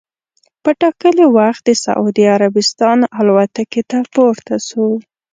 په ټا کلي وخت د سعودي عربستان الوتکې ته پورته سو.